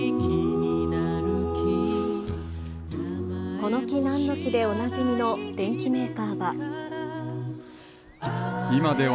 この木なんの木でおなじみの電機メーカーは。